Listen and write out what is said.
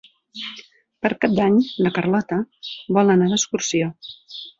Per Cap d'Any na Carlota vol anar d'excursió.